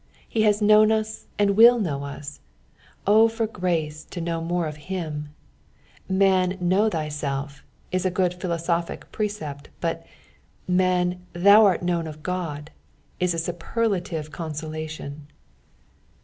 He has known us and will know us : O for grace to know more of him f " Han, know thyself," is a good philo sophic precept, but "Han. thou art known of Ood," is a superlative con solation.